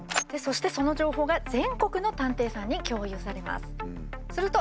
そしてその情報が全国の探偵さんに共有されます。